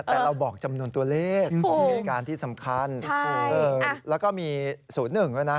แต่เราบอกจำนวนตัวเลขที่มีการที่สำคัญแล้วก็มี๐๑ก็นะ